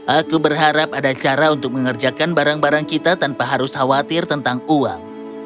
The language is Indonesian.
aku berharap ada cara untuk mengerjakan barang barang kita tanpa harus khawatir tentang uang